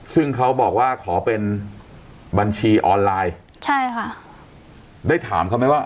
ซึ่งเขาบอกว่าขอเป็นบัญชีออนไลน์ใช่ค่ะได้ถามเขาไหมว่า